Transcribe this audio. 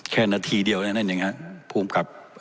แค่นาทีเดียวนั่นนั่นเองครับ